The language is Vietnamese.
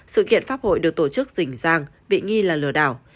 sự kiện pháp hội được tổ chức dỉnh giang bị nghi là lừa đảo